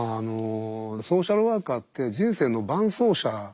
ソーシャルワーカーって人生の伴走者なんですよね。